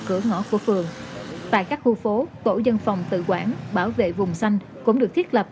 phía sau của phường tại các khu phố cổ dân phòng tự quản bảo vệ vùng xanh cũng được thiết lập